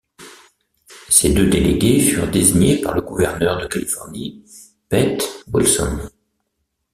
Ces deux délégués furent désignés par le gouverneur de Californie Pete Wilson.